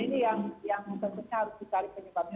ini yang tentunya harus dicari penyebabnya